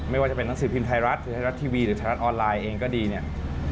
ไม่ว่าจะเป็นหนังสือพิมพ์ไทยรัฐหรือไทยรัฐทีวีหรือไทยรัฐออนไลน์เองก็ดีเนี่ย